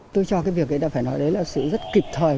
tôi cho cái việc này phải nói là sự rất kịp thời